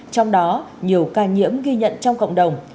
trong đó nhiều ca nhiễm ghi nhận trong cộng đồng